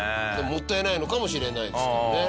もったいないのかもしれないですけどね。